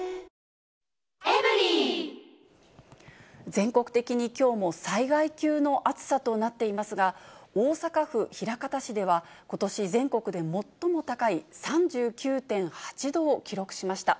全国的にきょうも災害級の暑さとなっていますが、大阪府枚方市では、ことし全国で最も高い３９．８度を記録しました。